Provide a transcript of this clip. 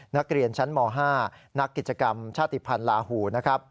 นักเรียนชั้นม๕นักกิจกรรมชาติภัณฑ์ลาหูนะครับ